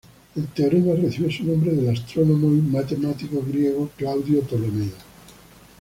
El teorema recibe su nombre del astrónomo y matemático griego Claudio Ptolomeo.